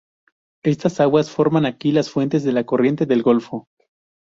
Estas aguas forman aquí las fuentes de la corriente del golfo.